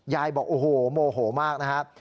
บอกโอ้โหโมโหมากนะครับ